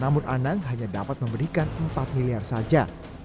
namun anang hanya dapat memberikan empat miliar saja